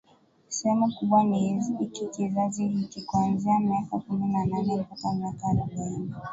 sehemu kubwa ni hiki kizazi hiki kuanzia miaka kumi na nane mpaka miaka arobaini